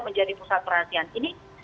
menjadi pusat perhatian ini